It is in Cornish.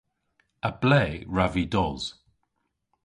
A ble wrav vy dos?